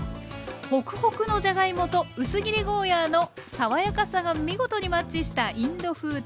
ホクホクのじゃがいもと薄切りゴーヤーの爽やかさが見事にマッチしたインド風天ぷら。